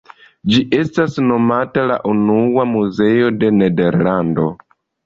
Ĝi estas nomata la unua muzeo de Nederlando.